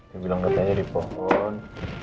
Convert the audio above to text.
dia bilang kita jadi pohon